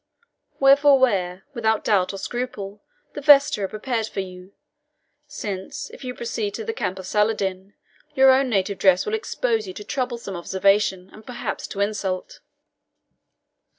Wherefore wear, without doubt or scruple, the vesture prepared for you, since, if you proceed to the camp of Saladin, your own native dress will expose you to troublesome observation, and perhaps to insult."